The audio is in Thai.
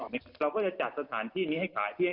เราก็จะจัดสถานที่นี้ให้ขาย